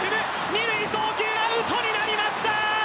２塁送球、アウトになりました！